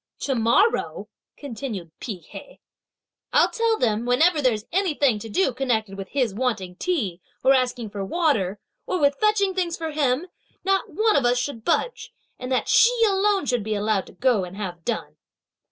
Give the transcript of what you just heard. "To morrow," continued Pi Hea, "I'll tell them that whenever there's anything to do connected with his wanting tea, or asking for water, or with fetching things for him, not one of us should budge, and that she alone should be allowed to go, and have done!"